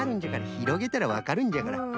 ひろげたらわかるんじゃから。